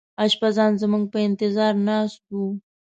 اشپزان زموږ په انتظار ناست وو.